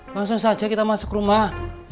langsung saja kita masuk rumah